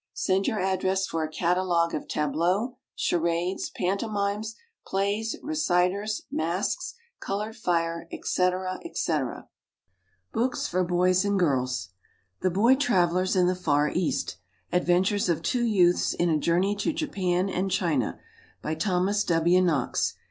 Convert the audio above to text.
Send your address for a Catalogue of Tableaux, Charades, Pantomimes, Plays, Reciters, Masks, Colored Fire, &c, &c. BOOKS FOR BOYS AND GIRLS. The Boy Travellers in the Far East. Adventures of Two Youths in a Journey to Japan and China. By THOMAS W. KNOX.